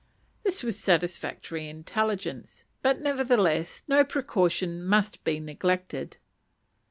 This was satisfactory intelligence; but, nevertheless, no precaution must be neglected.